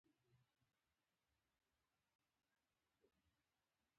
ګیلاس له ترموزه ځان ته چای اخلي.